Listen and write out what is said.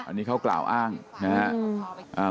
อันนี้เขากล่าวอ้างนะครับ